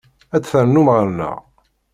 Ad d-ternum ɣer-neɣ?